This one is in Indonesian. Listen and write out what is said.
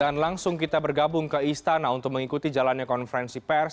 dan langsung kita bergabung ke istana untuk mengikuti jalannya konferensi pers